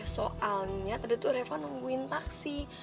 soalnya tadi tuh reva nungguin taksi